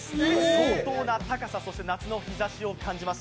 相当な高さ、そして夏の日ざしを感じます。